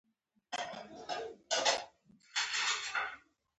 وسله باید ونهکارېږي